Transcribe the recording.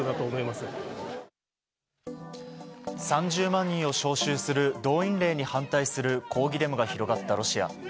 ３０万人を招集する動員令に反対する抗議デモが広がったロシア。